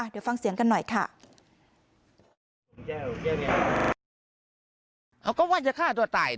เดี๋ยวฟังเสียงกันหน่อยค่ะ